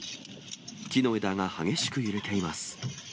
木の枝が激しく揺れています。